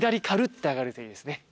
て上がるといいですね。